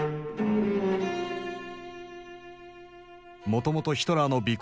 もともとヒトラーの鼻